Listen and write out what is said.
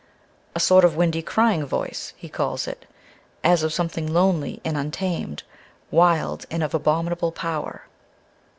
"A sort of windy, crying voice," he calls it, "as of something lonely and untamed, wild and of abominable power...."